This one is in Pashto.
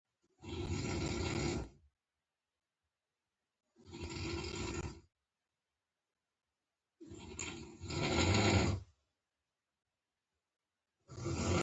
د سور کوتل کتیبه ډیره مهمه ده